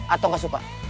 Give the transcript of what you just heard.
atau gak suka